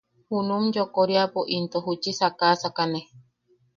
Junum yoʼokoriapo into juchi sakasakane.